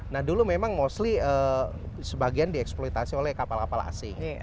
nah dulu memang mostly sebagian dieksploitasi oleh kapal kapal asing